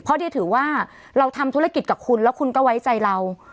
เพราะเดียถือว่าเราทำธุรกิจกับคุณแล้วคุณก็ไว้ใจเรา